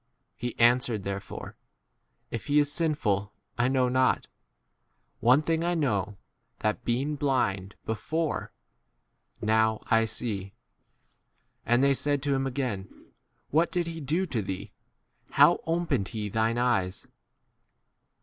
He c answered therefore, 1 If he is sin ful I know not. One thing I know, that, being blind [before], 26 now I see. And they said to him again,J What did he do to thee ? 2 ? how opened he thine eyes